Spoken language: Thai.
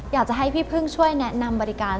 อยากจะให้พี่พึ่งช่วยแนะนำบริการ